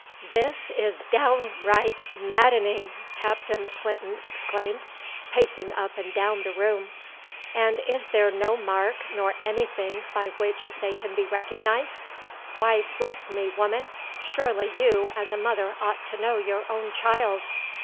"This is downright maddening!" Captain Clinton exclaimed, pacing up and down the room. "And is there no mark nor anything by which they can be recognized? Why, bless me, woman, surely you as a mother ought to know your own child!"